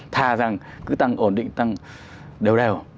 thà rằng cứ tăng ổn định tăng đều đều